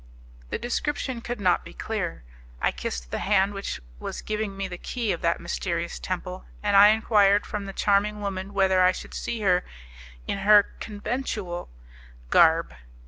The description could not be clearer; I kissed the hand which was giving me the key of that mysterious temple, and I enquired from the charming woman whether I should see her in her conventual garb.